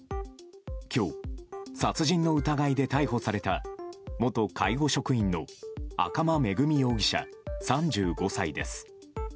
今日、殺人の疑いで逮捕された元介護職員の赤間恵美容疑者、３５歳です。